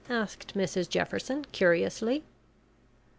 asked Mrs Jefferson curiously.